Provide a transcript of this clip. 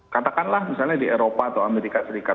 katakanlah misalnya di eropa atau amerika serikat